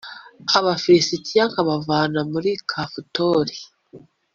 abafilisiti nkabavana muri kafutori,